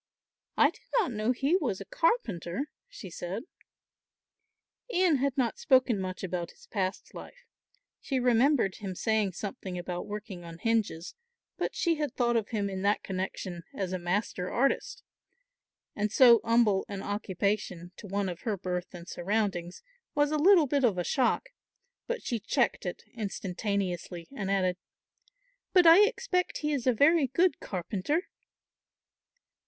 "I did not know he was a carpenter," she said. Ian had not spoken much about his past life. She remembered him saying something about working on hinges, but she had thought of him in that connexion as a master artist, and so humble an occupation to one of her birth and surroundings was a little bit of a shock; but she checked it instantaneously and added, "But I expect he is a very good carpenter."